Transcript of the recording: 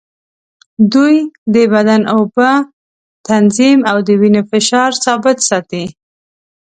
دوی د بدن اوبه تنظیم او د وینې فشار ثابت ساتي.